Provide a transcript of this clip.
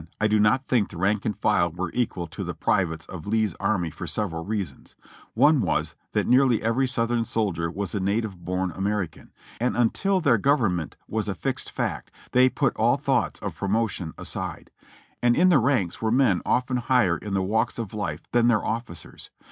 I do not think the rank and file were equal to the privates of Lee's army for several reasons : one was, that nearly every Southern soldier was a native born American, and until their Government was a fixed fact, they put all thoughts of pro motion aside : and in the ranks were men often higher in the walks of life than their officers.